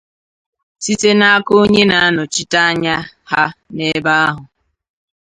site n'aka onye na-anọchite anya ha n'ebe ahụ